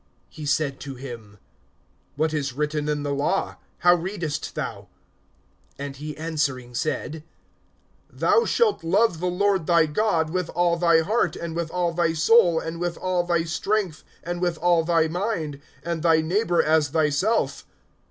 (26)He said to him: What is written in the law? How readest thou? (27)And he answering said: Thou shalt love the Lord thy God with all thy heart, and with all thy soul, and with all thy strength, and with all thy mind; and thy neighbor as thyself.